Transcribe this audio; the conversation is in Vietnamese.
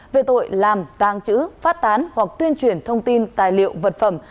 về tội làm tàng trữ phát tán hoặc tuyên truyền thông tin tài liệu vật phẩm